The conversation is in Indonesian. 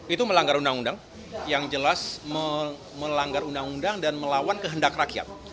itu melanggar undang undang yang jelas melanggar undang undang dan melawan kehendak rakyat